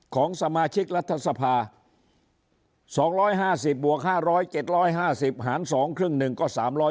ของสมาชิกรัฐสภา๒๕๐บวก๕๐๐๗๕๐หาร๒ครึ่งหนึ่งก็๓๕